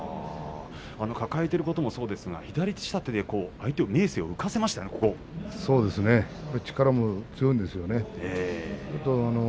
抱えていることもそうですが、左下手で力も強いんですよね。